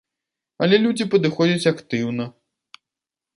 Але людзі падыходзяць актыўна.